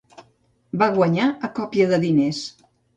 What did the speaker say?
Va guanyar a còpia de diners.